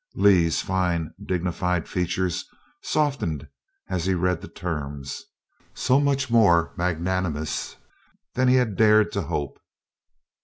Lee's fine, dignified features softened as he read the terms so much more magnanimous than he had dared to hope.